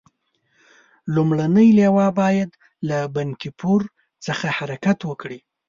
لومړنۍ لواء باید له بنکي پور څخه حرکت وکړي.